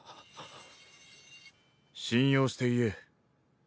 信用して言え。